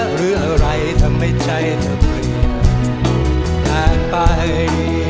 หรืออะไรทำให้ใจเธอเปลี่ยนนานไป